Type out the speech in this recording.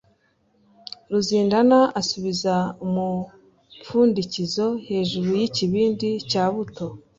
Ruzindana asubiza umupfundikizo hejuru yikibindi cya buto.